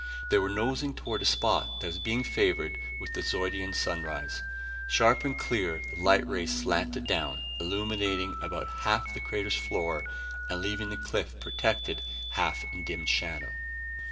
They were nosing toward a spot that was being favored with the Zeudian sunrise. Sharp and clear the light rays slanted down, illuminating about half the crater's floor and leaving the cliff protected half in dim shadow.